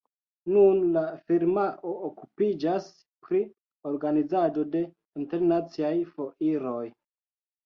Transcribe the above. Nun la firmao okupiĝas pri organizado de internaciaj foiroj.